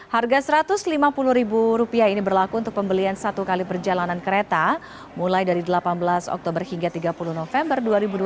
harga rp satu ratus lima puluh ini berlaku untuk pembelian satu kali perjalanan kereta mulai dari delapan belas oktober hingga tiga puluh november dua ribu dua puluh